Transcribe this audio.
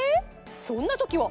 そんな時は？